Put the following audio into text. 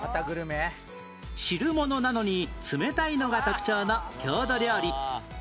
汁物なのに冷たいのが特徴の郷土料理